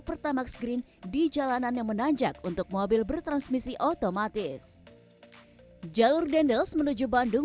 pertamax green di jalanan yang menanjak untuk mobil bertransmisi otomatis jalur dendels menuju bandung